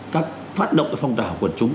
các phát động phong trào của chúng